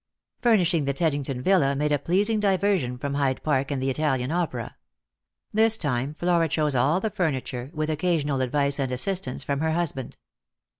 Furnishing the Teddington villa made a pleasing diversion from Hyde Park and the Italian Opera. This time Flora chose all the furniture, with occasional advice and assistance from her husband.